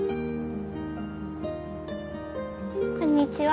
こんにちは。